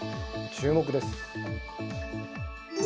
注目です。